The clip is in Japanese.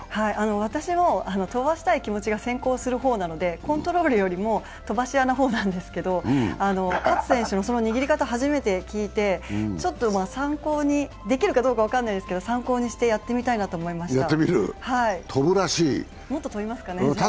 私も飛ばしたい気持が先行する方なのでコントロールよりも飛ばし屋の方なんですけれども、勝選手の握り方、初めて聞いて、できるかどうかわかんないですけど参考にしてやってみたいなと思いました。